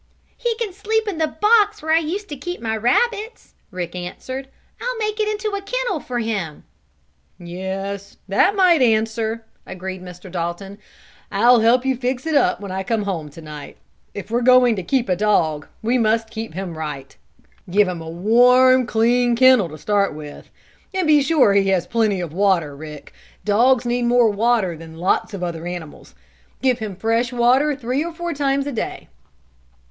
"He can sleep in the box where I used to keep my rabbits," Rick answered. "I'll make it into a kennel for him." "Yes, that might answer," agreed Mr. Dalton. "I'll help you fix it up when I come home to night. If we're going to keep a dog we must keep him right give him a warm, clean kennel to start with. And be sure he has plenty of water, Rick. Dogs need more water than lots of other animals. Give him fresh water three or four times a day."